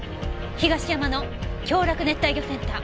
東山の京洛熱帯魚センター。